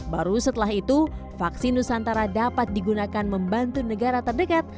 baru setelah itu vaksin nusantara dapat digunakan membantu negara terdekat